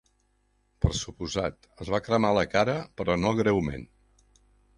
Per suposat, es va cremar la cara, però no greument.